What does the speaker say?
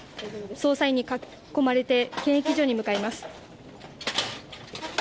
捜査員に囲まれて、検疫所に向かいます。